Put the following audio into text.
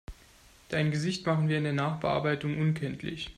Dein Gesicht machen wir in der Nachbearbeitung unkenntlich.